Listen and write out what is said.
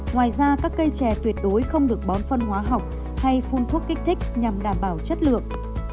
ngoài ra các cây trẻ tuyệt đối không được bón phân hóa học hay phun thuốc kích thích nhằm đảm bảo chất lượng